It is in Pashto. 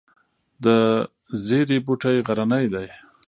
د زیرې بوټی غرنی دی